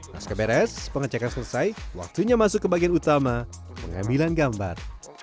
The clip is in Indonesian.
naskah beres pengecekan selesai waktunya masuk ke bagian utama pengambilan gambar